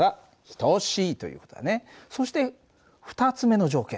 そして２つ目の条件。